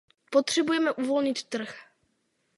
Potřebujeme uvolnit trh.